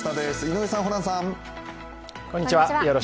井上さん、ホランさん。